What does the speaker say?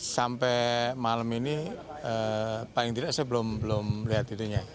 sampai malam ini paling tidak saya belum lihat itunya